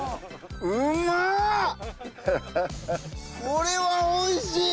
これはおいしい。